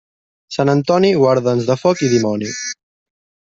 Sant Antoni, guarda'ns de foc i dimoni.